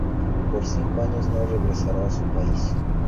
Por cinco años no regresará a su país.